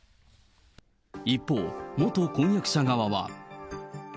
一方、元婚約者側は。